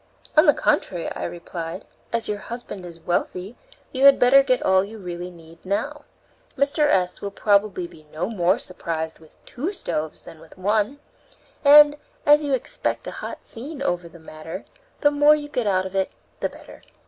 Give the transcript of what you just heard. "On the contrary," I replied, "as your husband is wealthy, you had better get all you really need now. Mr. S. will probably be no more surprised with two stoves than with one, and, as you expect a hot scene over the matter, the more you get out of it the better."